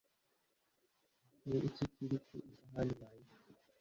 niki kiri ku isahani yawe